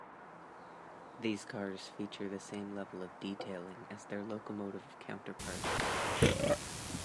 These cars feature the same level of detailing as their locomotive counterparts.